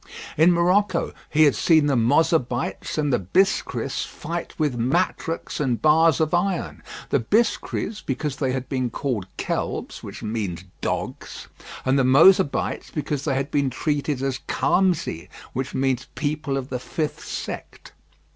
In Morocco, he had seen the Mozabites and the Bisskris fighting with matraks and bars of iron the Bisskris, because they had been called kelbs, which means dogs; and the Mozabites, because they had been treated as khamsi, which means people of the fifth sect.